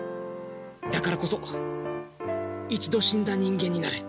だからこそ一度死んだ人間になれ。